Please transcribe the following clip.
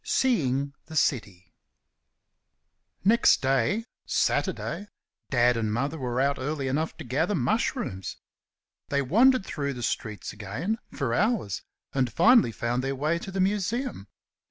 SEEING THE CITY Next day, Saturday, Dad and Mother were out early enough to gather mushrooms. They wandered through the streets again, for hours, and finally found their way to the Museum.